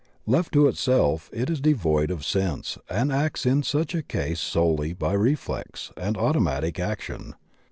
Left to itself it is devoid of sense, and acts in such a case solely by reflex and automatic action.